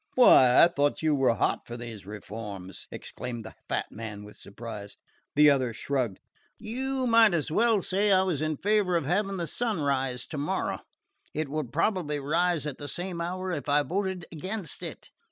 "Why, I thought you were hot for these reforms?" exclaimed the fat man with surprise. The other shrugged. "You might as well say I was in favour of having the sun rise tomorrow. It would probably rise at the same hour if I voted against it.